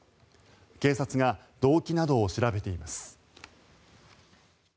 警察が動機などを調べています。